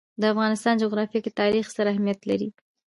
د افغانستان جغرافیه کې تاریخ ستر اهمیت لري.